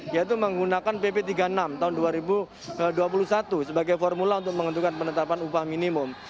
yaitu menggunakan pp tiga puluh enam tahun dua ribu dua puluh satu sebagai formula untuk menentukan penetapan upah minimum